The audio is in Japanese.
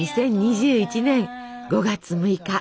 ２０２１年５月６日。